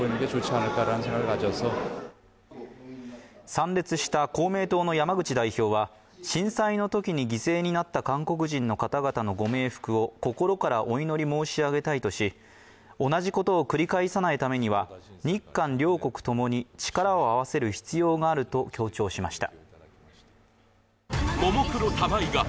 参列した公明党の山口代表は震災のときに犠牲になった韓国人の方々のご冥福を心からお祈り申し上げたいとし、同じことを繰り返さないためには日韓両国ともに力を合わせる必要があると強調しました。